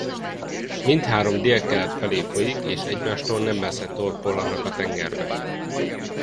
Mindhárom délkelet felé folyik és egymástól nem messze torkollanak a tengerbe.